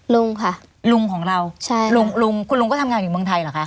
ลุงค่ะลุงของเราใช่ลุงลุงคุณลุงก็ทำงานอยู่เมืองไทยเหรอคะ